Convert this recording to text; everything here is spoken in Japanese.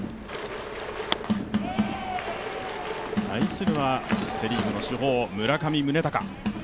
対するはセ・リーグの主砲、村上宗隆。